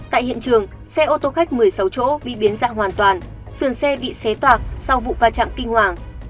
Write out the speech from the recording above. tại hiện trường xe ô tô khách một mươi sáu chỗ bị biến dạng hoàn toàn sườn xe bị xé toạc sau vụ va chạm kinh hoàng